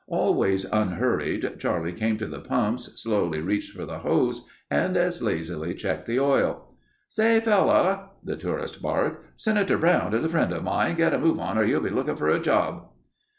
Always unhurried, Charlie came to the pumps, slowly reached for the hose and as lazily checked the oil. "Say, fellow—" the tourist barked. "Senator Brown is a friend of mine. Get a move on or you'll be looking for a job."